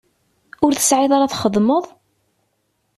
Ur tesεiḍ ara txedmeḍ?